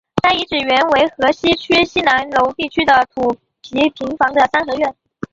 该遗址原为河西区西南楼地区的土坯平房的三合院。